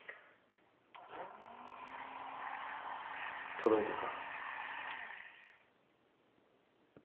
届いたか？